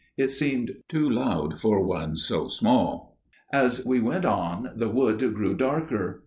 It seemed too loud for one so small. "As we went on the wood grew darker.